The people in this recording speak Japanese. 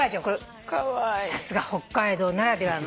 さすが北海道ならではの。